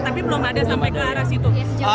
tapi belum ada sampai ke arah situ